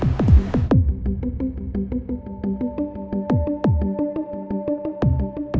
tidak ada apa apa